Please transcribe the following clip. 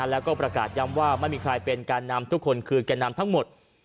แล้วก็ประกาศย้ำว่าไม่มีใครเป็นการนำทุกคนคือแก่นำทั้งหมด